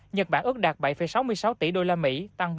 nhật bản ước đạt bảy sáu mươi sáu tỷ đô la mỹ tăng một mươi tám